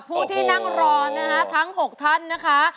ผู้ที่นั่งรอนะคะทั้ง๖ท่านนะคะ